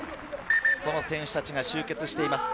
その選手たちが集結しています。